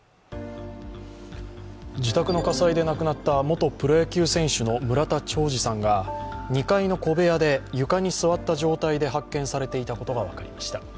自宅の火災で亡くなった元プロ野球選手の村田兆治さんが２階の小部屋で床に座った状態で発見されていたことが分かりました。